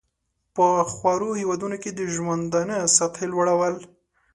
په خوارو هېوادونو کې د ژوندانه سطحې لوړول.